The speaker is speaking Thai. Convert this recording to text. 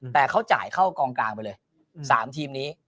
แต่เขาจ่ายเข้ากองกลางไปเลย๓ทีมนี้